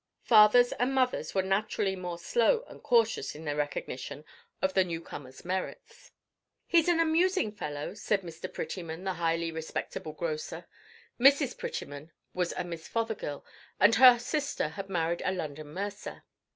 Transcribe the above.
Fathers and mothers were naturally more slow and cautious in their recognition of the newcomer's merits. "He's an amusing fellow," said Mr. Prettyman, the highly respectable grocer. (Mrs. Prettyman was a Miss Fothergill, and her sister had married a London mercer.)